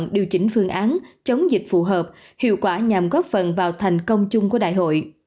giải phương án chống dịch phù hợp hiệu quả nhằm góp phần vào thành công chung của đại hội